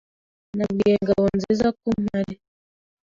Nabwiye Ngabonzizako mpari.